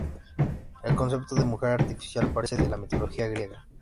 El concepto de mujer artificial aparece desde la mitología griega.